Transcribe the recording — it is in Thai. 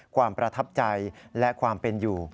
ความประทับใจและความเป็นอยู่